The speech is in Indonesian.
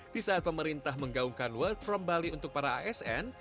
di saat pemerintah menggaungkan work from bali untuk para asn